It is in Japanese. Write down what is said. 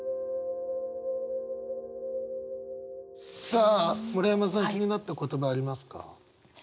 さあ村山さん気になった言葉ありますか？